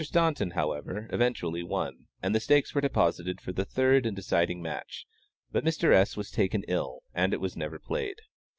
Staunton, however, eventually won, and the stakes were deposited for the third and deciding match, but Mr. S. was taken ill, and it was never played.